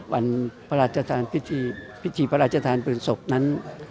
วันพิธีพระราชทานปืนศพนั้น